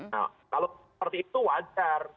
nah kalau seperti itu wajar